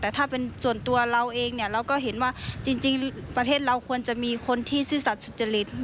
แต่ถ้าเป็นส่วนตัวเราเองเนี่ยเราก็เห็นว่าจริงประเทศเราควรจะมีคนที่ซื่อสัตว์สุจริต